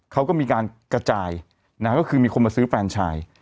เขาก็มีการกระจายนะฮะก็คือมีคนมาซื้อแฟนชาย